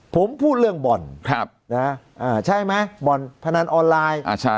ผมพูดเรื่องบ่อนครับนะเอ่อใช่บ่อนพนันออนไลน์อ่าใช่